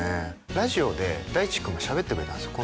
ラジオで大知君がしゃべってくれたんですよ